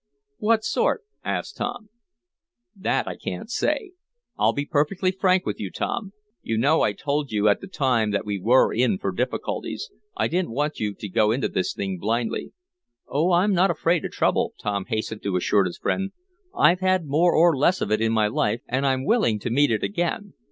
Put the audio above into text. "What sort?" asked Tom. "That I can't say. I'll be perfectly frank with you, Tom. You know I told you at the time that we were in for difficulties. I didn't want you to go into this thing blindly." "Oh, I'm not afraid of trouble," Tom hastened to assure his friend. "I've had more or less of it in my life, and I'm willing to meet it again.